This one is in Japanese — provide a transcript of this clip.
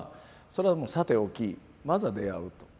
それはさておきまずは出会うと。